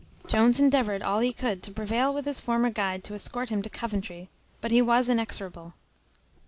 Jones endeavoured all he could to prevail with his former guide to escorte him to Coventry; but he was inexorable.